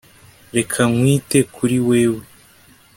reka nkwite kuri wewe